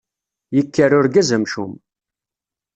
Yekker urgaz amcum.